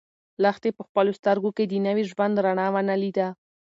لښتې په خپلو سترګو کې د نوي ژوند رڼا ونه لیده.